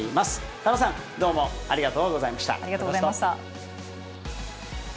狩野さん、どうもありがとうござありがとうございました。